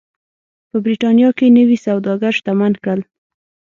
په برېټانیا کې نوي سوداګر شتمن کړل.